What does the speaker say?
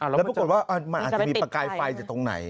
แล้วปรากฏว่ามันอาจจะมีประกายไฟจากตรงไหน